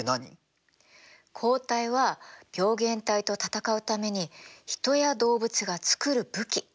抗体は病原体と闘うために人や動物が作る武器。